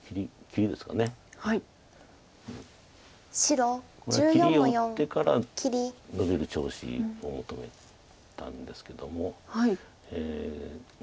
切りを打ってからノビる調子を求めたんですけども。